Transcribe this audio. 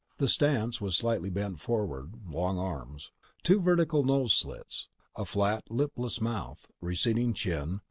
The stance was slightly bent forward, long arms. Two vertical nose slits. A flat, lipless mouth. Receding chin.